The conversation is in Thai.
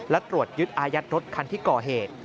และตรวจยึดอายัดรถคันที่ก่อเหตุ